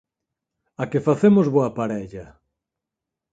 A que facemos boa parella?